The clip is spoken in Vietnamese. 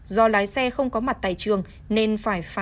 do lái xe không có mặt tại trường nên phải phá